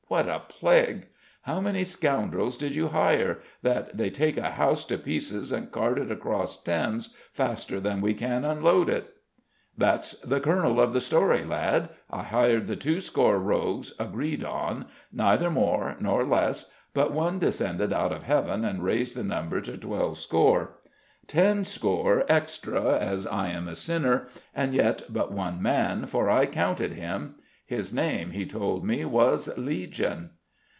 What a plague! How many scoundrels did you hire, that they take a house to pieces and cart it across Thames faster than we can unload it?" "That's the kernel of the story, lad. I hired the two score rogues agreed on, neither more nor less: but one descended out of heaven and raised the number to twelve score. Ten score extra, as I am a sinner; and yet but one man, for I counted him. His name, he told me, was Legion."